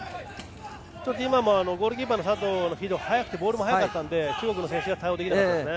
今もゴールキーパーの佐藤のフィードが速くてボールも速かったので中国の選手が対応できなかったですね。